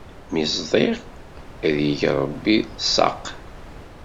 Mi ẓdiɣ, ad ig Ṛebbi tsaq!